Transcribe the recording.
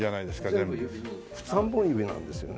全部指人形３本指なんですよね。